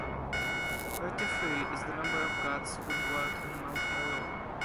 Thirty-three is the number of gods who dwelt on Mount Meru.